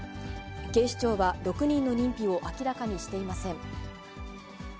警視庁は６人の認否を明らかにしていません。